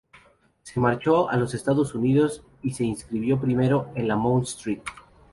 Se marchó a los Estados Unidos y se inscribió primero en la Mount St.